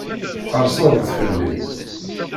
Tqerrseḍ-d fell-i.